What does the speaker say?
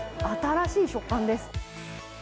新しい食感です。